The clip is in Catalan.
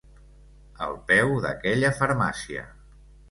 Al peu d'aquella farmàcia.